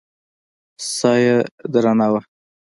ساه يې درنه وه.